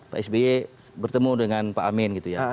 pak sbe bertemu dengan pak amin